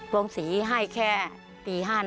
โรงศรีให้แค่ปี๕๑ที่ป้าทำ